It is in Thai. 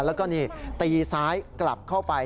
แล้วก็นี่ตีซ้ายกลับเข้าไป